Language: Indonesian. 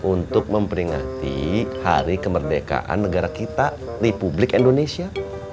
untuk memperingati hari kemerdekaan negara kita republik indonesia